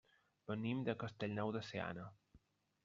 Venim de Castellnou de Seana.